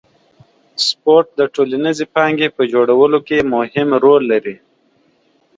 سپورت د ټولنیزې پانګې په جوړولو کې مهم رول لري.